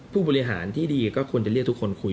ผู้บริหารที่ดีก็ควรจะเรียกทุกคนคุย